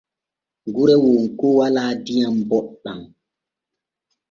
Gure wonko walaa diyam boɗɗam.